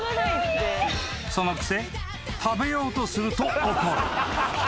［そのくせ食べようとすると怒る］